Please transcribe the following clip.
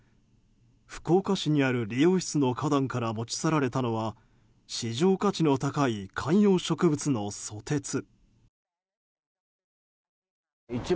福岡市にある理容室の花壇から持ち去られたのは市場価値の高い観葉植物のソテツ。